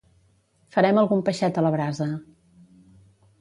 Farem algun peixet a la brasa